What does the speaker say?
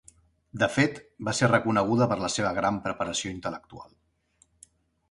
De fet, va ser reconeguda per la seva gran preparació intel·lectual.